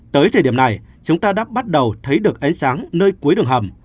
tới thời điểm này chúng ta đã bắt đầu thấy được ánh sáng nơi cuối đường hầm